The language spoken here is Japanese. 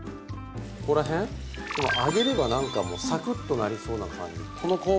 ここら辺？でも揚げればなんかもうサクッとなりそうな感じ